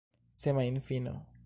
semajnfino